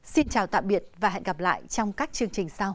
xin chào tạm biệt và hẹn gặp lại trong các chương trình sau